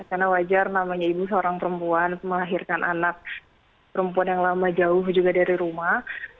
karena wajar namanya ibu seorang perempuan melahirkan anak perempuan yang lama jauh juga dari rumah